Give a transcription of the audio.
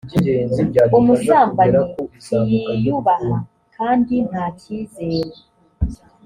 umusambanyi ntiyiyubaha kandi nta kizere